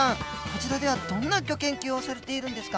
こちらではどんなギョ研究をされているんですか？